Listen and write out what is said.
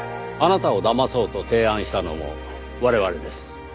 あなたをだまそうと提案したのも我々です。